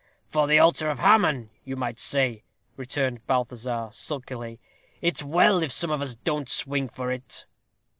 "For the halter of Haman, you might say," returned Balthazar, sulkily. "It's well if some of us don't swing for it."